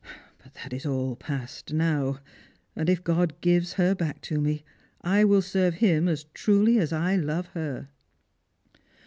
But that is all past now, and if God gives her back to me I will serve Him as truly as I love her."